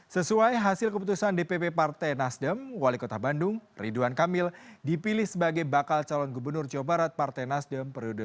sesuai hasil keputusan dpp partai nasdem wali kota bandung ridwan kamil dipilih sebagai bakal calon gubernur jawa barat partai nasdem periode dua ribu dua puluh